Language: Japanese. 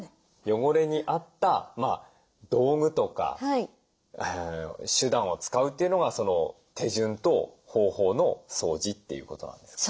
汚れに合った道具とか手段を使うというのが手順と方法の掃除っていうことなんですか？